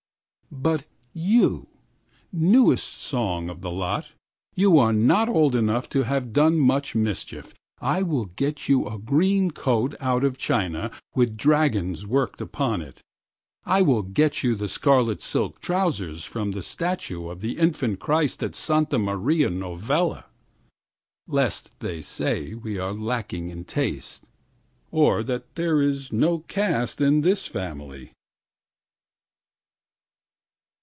12But you, newest song of the lot,13You are not old enough to have done much mischief.14I will get you a green coat out of China15With dragons worked upon it.16I will get you the scarlet silk trousers17From the statue of the infant Christ at Santa Maria Novella;18Lest they say we are lacking in taste,19Or that there is no caste in this family.